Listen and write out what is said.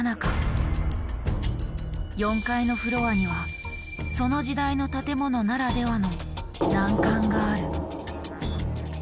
４階のフロアにはその時代の建物ならではの難関がある。